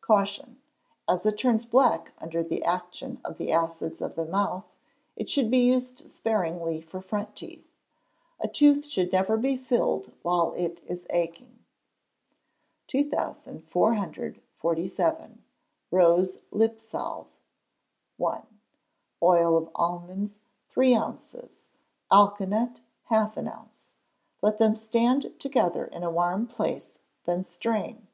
Caution. As it turns black under the action of the acids of the mouth, it should be used sparingly for front teeth. A tooth should never be filled while it is aching. 2447. Rose Lipsalve. i. Oil of almonds, three ounces; alkanet, half an ounce. Let them stand together in a warm place, then strain.